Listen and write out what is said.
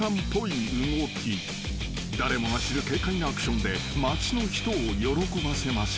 ［誰もが知る軽快なアクションで街の人を喜ばせましょう］